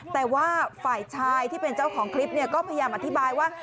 แต่ว่าฝ่ายชายที่เป็นเจ้าของคลิปก็พยายามอธิบายว่า